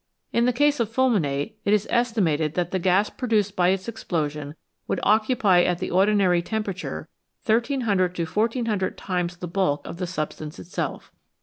In the case of fulminate it is estimated that the gas produced by its explosion would occupy at the ordinary temperature 1300 to 1400 times the bulk of the substance itself.